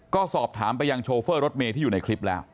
ก็สอบถามไปยังโชเฟอร์รถเมย์ที่อยู่ในคลิปแล้ว